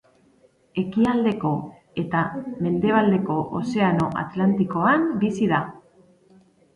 Ekialdeko eta mendebaldeko Ozeano Atlantikoan bizi da.